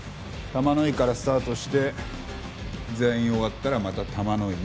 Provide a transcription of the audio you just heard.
玉乃井からスタートして全員終わったらまた玉乃井に戻る。